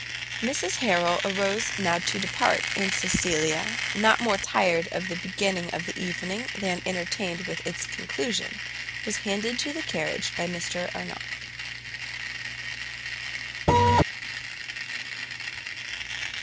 Mrs Harrel arose now to depart, and Cecilia, not more tired of the beginning of the evening than entertained with its conclusion, was handed to the carriage by Mr Arnott.